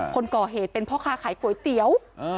คนก่อเหตุเป็นพ่อค้าขายก๋วยเตี๋ยว